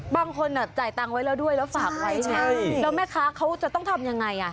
บางคนจ่ายตังค์ไว้แล้วด้วยแล้วฝากไว้ไงแล้วแม่ค้าเขาจะต้องทำยังไงอ่ะ